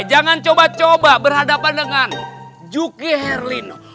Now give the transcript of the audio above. jangan coba coba berhadapan dengan juki herlino